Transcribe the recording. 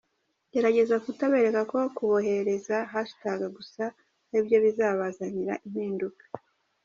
Gerageza kutabereka ko kuboherereza hashtag gusa aribyo bizabazanira impinduka.